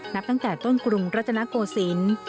นับตั้งแต่ต้นกรุงรัตนโกศิลป์